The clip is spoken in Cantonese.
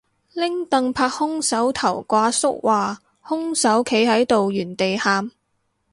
拎櫈拍兇手頭個阿叔話兇手企喺度原地喊